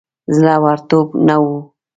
زړه ورتوب نه وو.